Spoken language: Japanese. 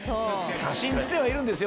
信じてはいるんですよ